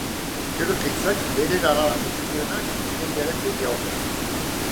Gero ekaitzak bere erara landu zituenak jendearen begi aurrean.